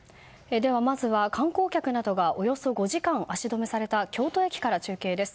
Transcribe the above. まずは観光客などがおよそ５時間足止めされた京都駅から中継です。